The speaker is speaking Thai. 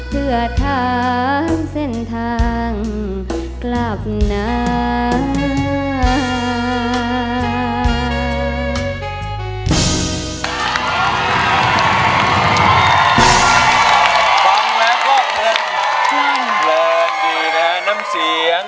เพื่อทางเส้นทางกลับนาน